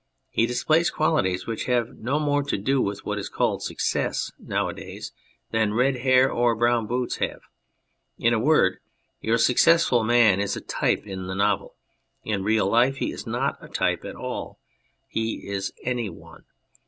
He displays qualities which have no more to do with what is called " success " now a days than red hair or brown boots have. In a word, your successful man is a type in the novel. In real life he is not a type at all he is any one.